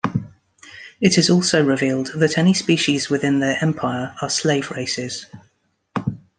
It is also revealed that any species within their empire are slave races.